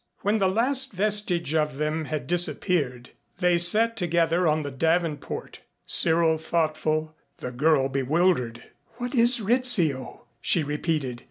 When the last vestige of them had disappeared, they sat together on the davenport, Cyril thoughtful, the girl bewildered. "What is Rizzio?" she repeated.